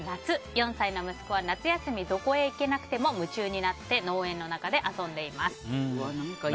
４歳の息子は夏休みどこへ行けなくても夢中になって農園の中で遊んでいます。